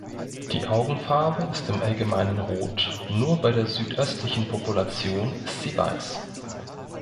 Die Augenfarbe ist im Allgemeinen rot, nur bei der südöstlichen Population ist sie weiß.